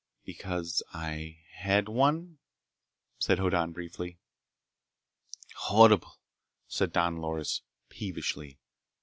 "Because I had one," said Hoddan briefly. "Horrible!" said Don Loris peevishly.